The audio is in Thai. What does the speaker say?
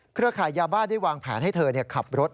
ขายยาบ้าได้วางแผนให้เธอขับรถ